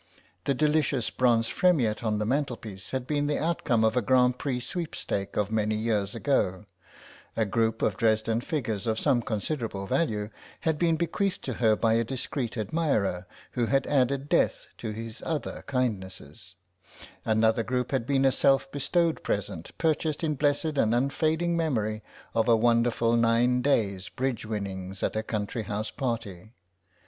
The delicious bronze Fremiet on the mantelpiece had been the outcome of a Grand Prix sweepstake of many years ago; a group of Dresden figures of some considerable value had been bequeathed to her by a discreet admirer, who had added death to his other kindnesses; another group had been a self bestowed present, purchased in blessed and unfading memory of a wonderful nine days' bridge winnings at a country house party.